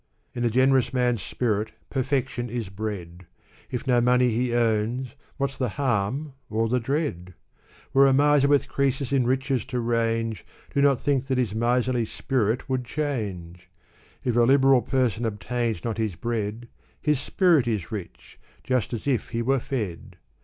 In a generous man's spirit perfection is bred ; If no money he owns, what's the harm or the dread? Were a miser with Croesus in riches to range, Do not think that his miserly spirit would change ! If a liberal person obtains not his bread. His spirit is rich, just as if he were fed.